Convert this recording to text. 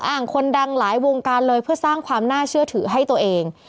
คนดังหลายวงการเลยเพื่อสร้างความน่าเชื่อถือให้ตัวเอง